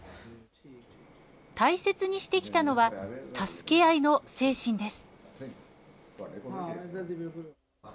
大切にしてきたのは助け合いの精神です。